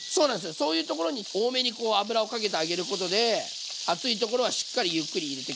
そういうところに多めに油をかけてあげることで厚いところはしっかりゆっくり入れてく。